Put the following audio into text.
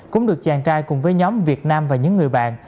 cũng được chàng trai cùng với nhóm việt nam và những người bạn